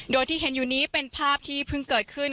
โดยที่เห็นอยู่นี้เป็นภาพที่เพิ่งเกิดขึ้น